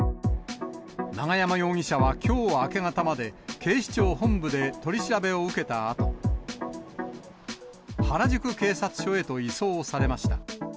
永山容疑者はきょう明け方まで、警視庁本部で取り調べを受けたあと、原宿警察署へと移送されました。